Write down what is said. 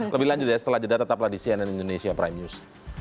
lebih lanjut ya setelah jeda tetaplah di cnn indonesia prime news